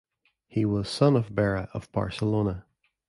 He was son of Bera of Barcelona.